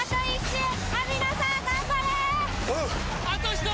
あと１人！